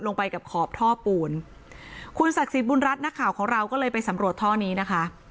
ลงไปกับขอบท่อปูนคุณศักดิ์สิทธิ์บุญรัฐนักข่าวของเราก็เลยไปสำรวจท่อนี้นะคะ